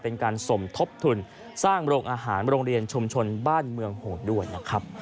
เป็นการสมทบทุนสร้างโรงอาหารโรงเรียนชุมชนบ้านเมืองโหดด้วยนะครับ